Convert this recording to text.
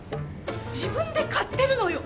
自分で買ってるのよ！